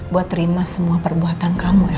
buat terima semua perbuatan kamu ya